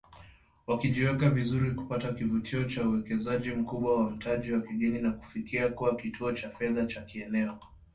Wakijiweka vizuri kupata kivutio cha uwekezaji mkubwa wa mtaji wa kigeni na kufikia kuwa kituo cha fedha cha kieneo